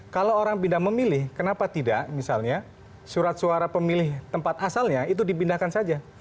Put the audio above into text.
kalau orang pindah memilih kenapa tidak misalnya surat suara pemilih tempat asalnya itu dipindahkan saja